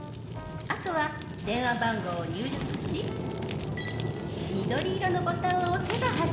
あとは電話番号を入力し緑色のボタンを押せば発信できます。